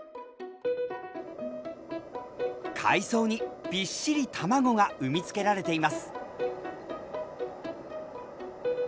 海藻にびっしり卵が産み付けられています。